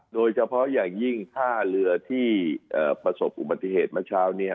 โดยเฉพาะอย่างยิ่งท่าเรือที่ประสบอุบัติเหตุเมื่อเช้านี้